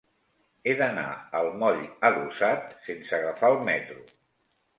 He d'anar al moll Adossat sense agafar el metro.